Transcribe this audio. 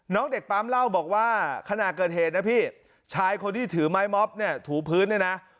น้องเด็กปั๊มเล่าบอกว่าขณะเกิดเหตุนะพี่ชายคนที่ถือไม้ม็อบเนี่ยถูพื้นเนี่ยนะ